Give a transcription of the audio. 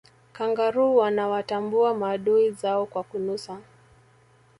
kangaroo wanawatambua maadui zao kwa kunusa